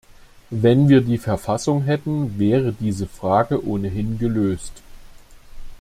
Wenn wir die Verfassung hätten, wäre diese Frage ohnehin gelöst.